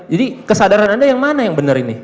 jadi kesadaran anda yang mana yang benar ini